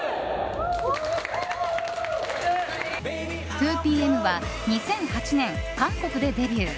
２ＰＭは２００８年、韓国でデビュー。